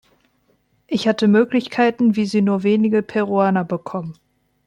Ich hatte Möglichkeiten, wie sie nur wenige Peruaner bekommen.